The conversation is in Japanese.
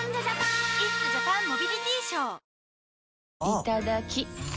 いただきっ！